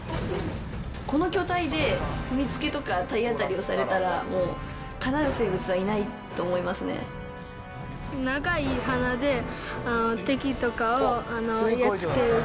この巨体で踏みつけとか体当たりされたら、もう、かなう生物はい長い鼻で、敵とかをやっつける。